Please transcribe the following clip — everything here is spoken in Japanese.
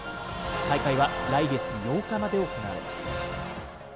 大会は来月８日まで行われます。